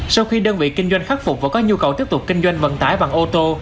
sau khi đơn vị kinh doanh khắc phục và có nhu cầu tiếp tục kinh doanh vận tải bằng ô tô